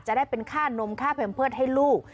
ได้เป็นค่านมค่าแพมเพิร์ตให้ลูก